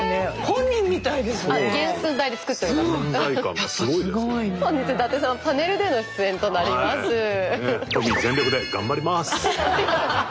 本日伊達さんパネルでの出演となります。